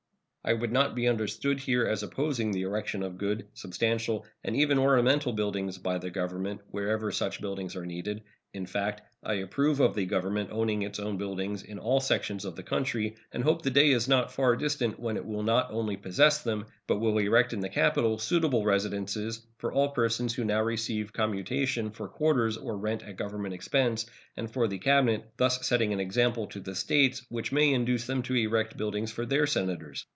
I would not be understood here as opposing the erection of good, substantial, and even ornamental buildings by the Government wherever such buildings are needed. In fact, I approve of the Government owning its own buildings in all sections of the country, and hope the day is not far distant when it will not only possess them, but will erect in the capital suitable residences for all persons who now receive commutation for quarters or rent at Government expense, and for the Cabinet, thus setting an example to the States which may induce them to erect buildings for their Senators.